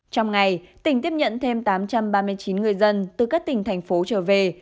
trong ngày tỉnh tiếp nhận thêm tám trăm ba mươi chín người dân từ các tỉnh thành phố trở về